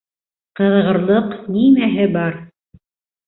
Ҡыҙығырлыҡ нимәһе бар?